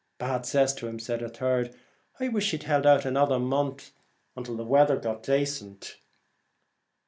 'Bad cess to him,' said a third; 'I wish he'd held out another month until the weather got dacent.'